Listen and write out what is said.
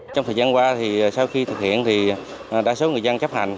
trong thời gian qua sau khi thực hiện đa số người dân chấp hành